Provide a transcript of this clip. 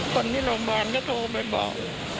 คนที่โรงพยาบาลก็โทรไปบอก